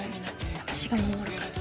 私が守るから。